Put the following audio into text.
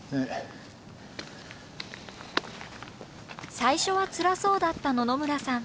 最初はつらそうだった野々村さん。